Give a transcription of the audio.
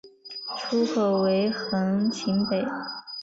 出口为横琴北。